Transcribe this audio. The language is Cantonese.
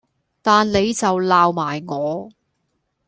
但你就鬧埋我